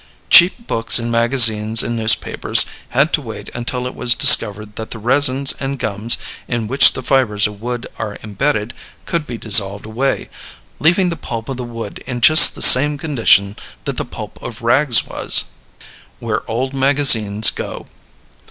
Cheap books and magazines and newspapers had to wait until it was discovered that the resins and gums in which the fibers of wood are imbedded could be dissolved away, leaving the pulp of the wood in just the same condition that the pulp of rags was. Where Old Magazines Go.